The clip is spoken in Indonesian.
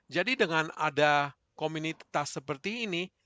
jadi dengan ada komunitas seperti ini